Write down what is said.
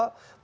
bukan pak sby